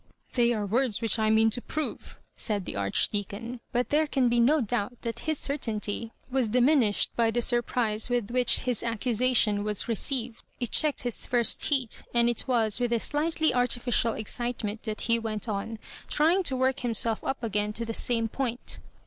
''They are words which I mean to prove,'* said the Archdeacon ; but there can be no doubt that his certainty was diminished by the sur^ prise with which his accusation was received. It checked his first heat, and it was with a sHghtly artificial excitement that he went on, trying to work himself up again to the same point.